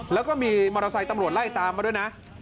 แล้วก็มีมอเตอร์ไซค์ตำรวจไล่ตามมาด้วยนะ